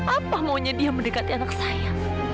apa maunya dia mendekati anak saya